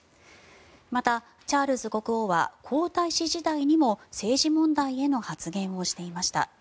また、チャールズ国王は皇太子時代にも政治問題への発言をしていました。